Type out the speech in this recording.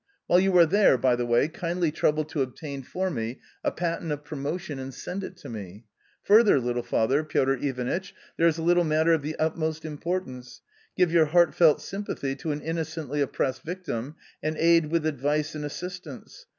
While you are there, by the way, kindly trouble to obtain for me a patent of promotion and send it me. Further, little father, Piotr Ivanitch, there is a. little matter of the utmost importance : give your heart felt sympathy to an innocently oppressed victim, and aid with advice and assistance.